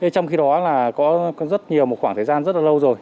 trong khi đó là có rất nhiều một khoảng thời gian rất là lâu rồi